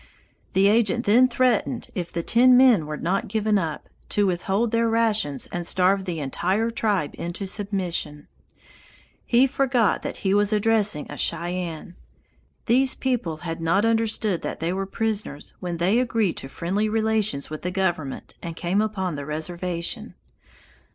The agent then threatened if the ten men were not given up to withhold their rations and starve the entire tribe into submission. He forgot that he was addressing a Cheyenne. These people had not understood that they were prisoners when they agreed to friendly relations with the government and came upon the reservation.